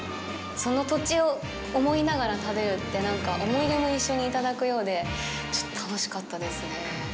その土地を思いながら食べるって、なんか思い出も一緒にいただくようで、楽しかったですねぇ。